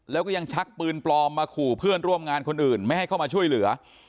แล้วก็ยังชักปืนปลอมมาขู่เพื่อนร่วมงานคนอื่นไม่ให้เข้ามาช่วยเหลือ